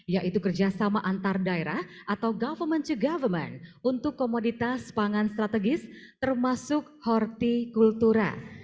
yaitu kerjasama antar daerah atau government to government untuk komoditas pangan strategis termasuk horticultura